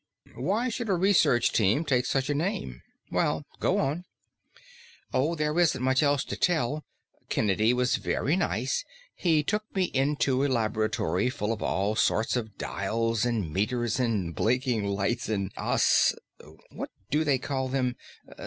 Why should a research team take such a name? Well, go on." "Oh, there isn't much else to tell. Kennedy was very nice. He took me into a laboratory full of all sorts of dials and meters and blinking lights and os what do you call them?